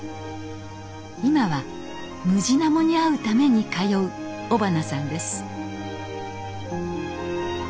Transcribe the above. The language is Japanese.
今はムジナモに会うために通う尾花さんです。